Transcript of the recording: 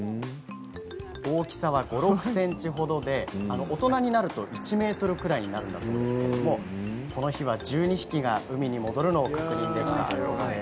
大きさは５、６ｃｍほどで大人になると１ｍぐらいになるんだそうですけどこの日は１２匹が海に戻るのを確認できたということです。